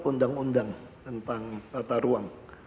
undang undang tentang tata ruang